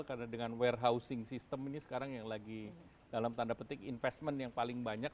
karena dengan warehousing system ini sekarang yang lagi dalam tanda petik investment yang paling banyak